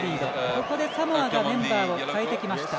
ここでサモアがメンバーを代えてきました。